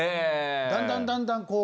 だんだんだんだんこう。